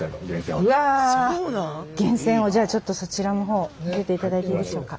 源泉をじゃあちょっとそちらのほう見せていただいていいでしょうか。